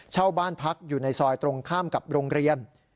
เช่าบ้านพักอยู่ในซอยตรงข้ามกับโรงเรียน